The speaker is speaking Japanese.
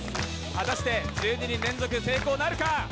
果たして１２人連続成功なるか。